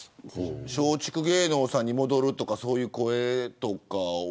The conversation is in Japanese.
松竹芸能さんに戻るとかそういう声とかは。